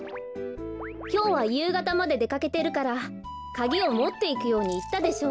きょうはゆうがたまででかけてるからカギをもっていくようにいったでしょう。